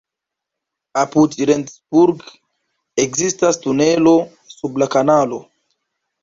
Apud Rendsburg ekzistas tunelo sub la kanalo.